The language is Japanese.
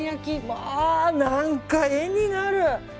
まあ、何か絵になる。